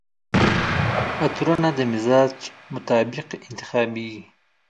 عطرونه د مزاج مطابق انتخابیږي.